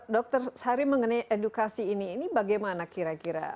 dokter sari mengenai edukasi ini ini bagaimana kira kira